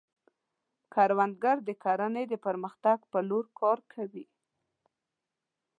کروندګر د کرنې د پرمختګ په لور کار کوي